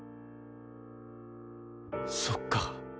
そっか。